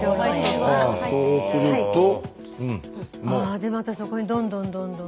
でまたそこにどんどんどんどん？